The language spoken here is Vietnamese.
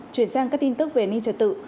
chuyển sang các tin tức về ninh trật tự